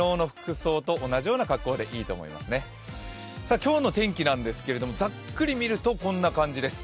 今日の天気なんですけれども、ざっくり見るとこんな感じです。